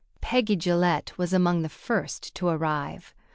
Peggy Gillette was among the first to arrive.